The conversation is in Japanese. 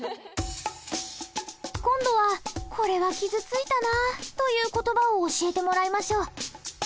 今度はこれは傷ついたなという言葉を教えてもらいましょう。